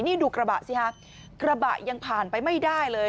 นี่ดูกระบะสิฮะกระบะยังผ่านไปไม่ได้เลย